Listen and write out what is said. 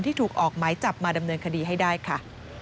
ถูกออกหมายจับมาดำเนินคดีให้ได้ค่ะ